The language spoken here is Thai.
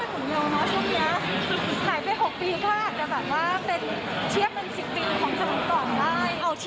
เพราะว่าโรคมันหมุนเดียวช่วงนี้หายไป๖ปีก็อาจจะเป็นเทียบเป็น๑๐ปีของสมุนต่อได้